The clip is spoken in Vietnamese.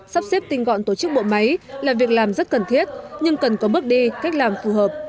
sắp xếp tinh gọn tổ chức bộ máy là việc làm rất cần thiết nhưng cần có bước đi cách làm phù hợp